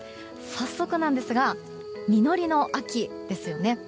早速ですが、実りの秋ですよね。